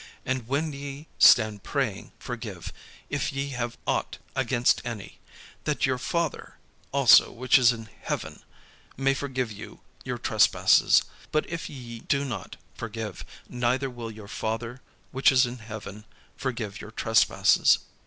And when ye stand praying, forgive, if ye have ought against any: that your Father also which is in heaven may forgive you your trespasses. But if ye do not forgive, neither will your Father which is in heaven forgive your trespasses."